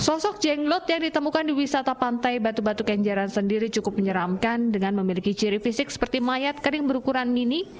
sosok jenglot yang ditemukan di wisata pantai batu batu kenjeran sendiri cukup menyeramkan dengan memiliki ciri fisik seperti mayat kering berukuran mini